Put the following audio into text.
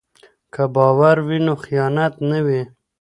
که باور وي نو خیانت نه وي.